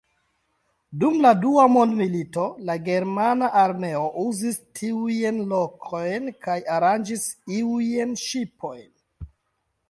Dum la dua mondmilito, la germana armeo uzis tiujn lokojn kaj aranĝis iujn ŝipojn.